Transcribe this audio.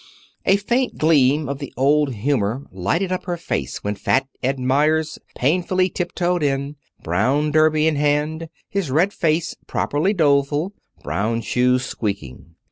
A faint gleam of the old humor lighted up her face when Fat Ed Meyers painfully tip toed in, brown derby in hand, his red face properly doleful, brown shoes squeaking.